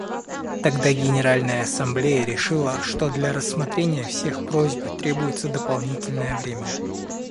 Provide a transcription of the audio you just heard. Тогда Генеральная Ассамблея решила, что для рассмотрения всех просьб требуется дополнительное время.